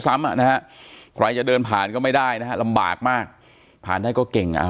ซ้ำอ่ะนะฮะใครจะเดินผ่านก็ไม่ได้นะฮะลำบากมากผ่านได้ก็เก่งอ่ะ